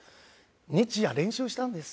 日夜練習したんです。